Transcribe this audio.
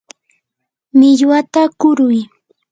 millwata kuruy.